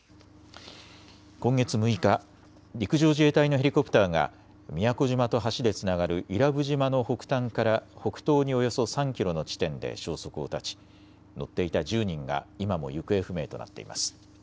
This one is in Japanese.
今月６日、陸上自衛隊のヘリコプターが宮古島と橋でつながる伊良部島の北端から北東におよそ３キロの地点で消息を絶ち、乗っていた１０人が今も行方不明となっています。